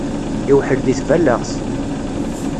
Iwḥel di tballaɣt.